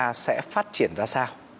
elsa sẽ phát triển ra sao